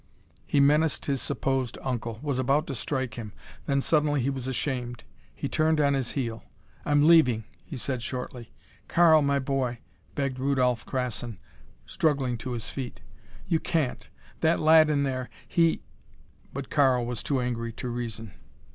He menaced his supposed uncle; was about to strike him. Then suddenly he was ashamed. He turned on his heel. "I'm leaving," he said shortly. "Karl my boy," begged Rudolph Krassin, struggling to his feet. "You can't! That lad in there he " But Karl was too angry to reason.